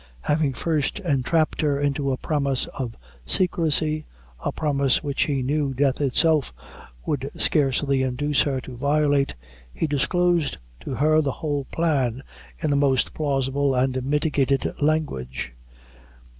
Having first entrapped her into a promise of secrecy a promise which he knew death itself would scarcely induce her to violate, he disclosed to her the whole plan in the most plausible and mitigated language.